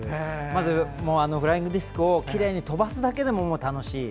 まず、フライングディスクをきれいに飛ばすだけでも楽しい。